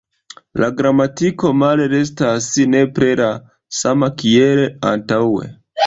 La gramatiko male restas nepre la sama kiel antaŭe".